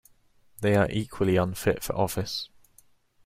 They are equally unfit for office